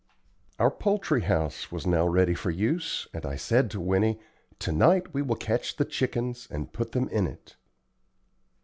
Our poultry house was now ready for use, and I said to Winnie, "To night we will catch the chickens and put them in it."